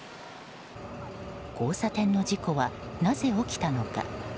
交差点の事故は、なぜ起きたのか。